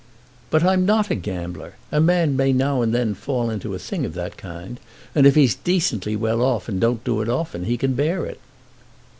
"But I'm not a gambler. A man now and then may fall into a thing of that kind, and if he's decently well off and don't do it often, he can bear it."